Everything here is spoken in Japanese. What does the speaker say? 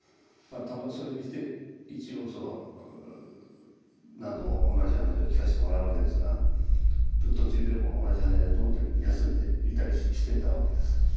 そういうふうにして一応何度も同じ話を聞かせてもらうわけですが途中でもう同じ話だと思って休んでいたりしてたわけです。